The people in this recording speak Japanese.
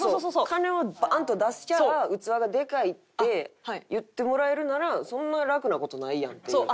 金をバーンと出したら器がでかいって言ってもらえるならそんな楽な事ないやんっていう。